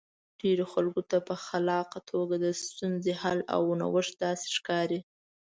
ډېرو خلکو ته په خلاقه توګه د ستونزې حل او نوښت داسې ښکاري.